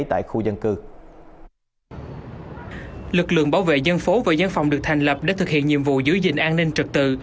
tại khu dân cư lực lượng bảo vệ dân phố và dân phòng được thành lập để thực hiện nhiệm vụ giữ gìn an ninh trật tự